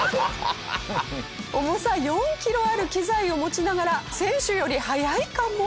重さ４キロある機材を持ちながら選手より速いかも？